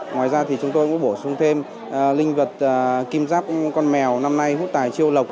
ngoài ra thì chúng tôi cũng bổ sung thêm linh vật kim giáp con mèo năm nay hút tài chiều lộc